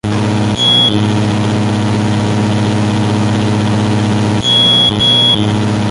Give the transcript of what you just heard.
Contaba con el destacado volante József Kovács.